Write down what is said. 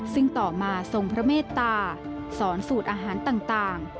ซึ่งต่อมาทรงพระเมตตาสอนสูตรอาหารต่าง